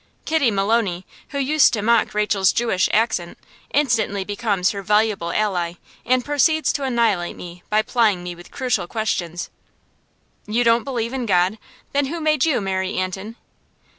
Kitty Maloney, who used to mock Rachel's Jewish accent, instantly becomes her voluble ally, and proceeds to annihilate me by plying me with crucial questions. "You don't believe in God? Then who made you, Mary Antin?"